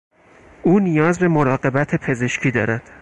او نیاز به مراقبت پزشکی دارد.